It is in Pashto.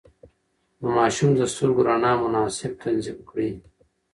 د ماشوم د سترګو رڼا مناسب تنظيم کړئ.